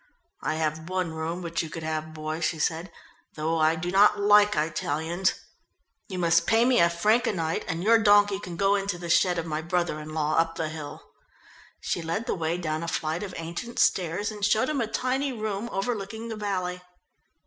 "I have one room which you could have, boy," she said, "though I do not like Italians. You must pay me a franc a night, and your donkey can go into the shed of my brother in law up the hill." She led the way down a flight of ancient stairs and showed him a tiny room overlooking the valley.